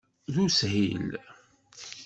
D ushil.